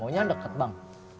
pokoknya deket bang